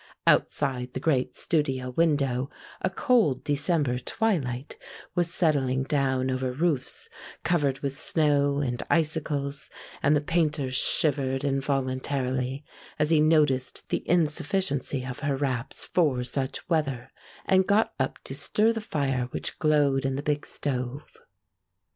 Outside the great studio window a cold December twilight was settling down over roofs covered with snow and icicles, and the Painter shivered involuntarily as he noticed the insufficiency of her wraps for such weather, and got up to stir the fire which glowed in the big stove.